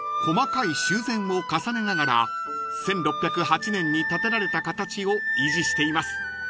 ［細かい修繕を重ねながら１６０８年に建てられた形を維持しています］